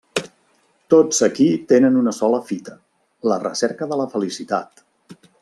Tots aquí tenen una sola fita: la recerca de la felicitat.